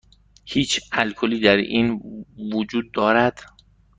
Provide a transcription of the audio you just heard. هیچ الکلی در این وجود دارد؟